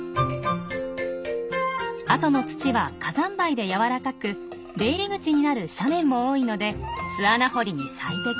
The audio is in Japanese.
阿蘇の土は火山灰で軟らかく出入り口になる斜面も多いので巣穴掘りに最適。